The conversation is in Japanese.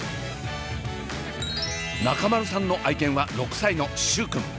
中丸さんの愛犬は６歳のシューくん。